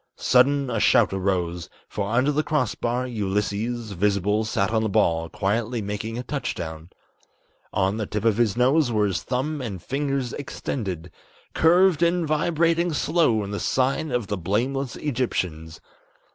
Sudden a shout arose, for under the crossbar, Ulysses, Visible, sat on the ball, quietly making a touch down; On the tip of his nose were his thumb and fingers extended, Curved and vibrating slow in the sign of the blameless Egyptians.